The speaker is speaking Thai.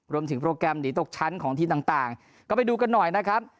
โปรแกรมหนีตกชั้นของทีมต่างก็ไปดูกันหน่อยนะครับ